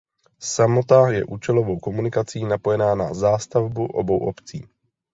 Samota je účelovou komunikací napojena na zástavbu obou obcí.